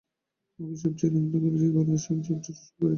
মুখে সব চেয়ে নিন্দে করেছে যারা, মনে সব চেয়ে রসভোগ করেছে তারাই।